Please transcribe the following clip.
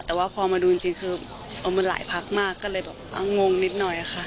แต่ว่าพอมาดูจริงคือเอามันหลายพักมากก็เลยแบบงงนิดหน่อยค่ะ